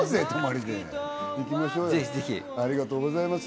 ありがとうございます。